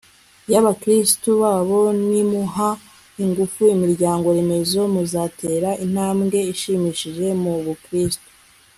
y'abakristu bayo. nimuha ingufu imiryango-remezo muzatera intambwe ishimishije mu bukristu